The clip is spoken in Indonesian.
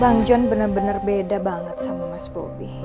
bang john bener bener beda banget sama mas bobby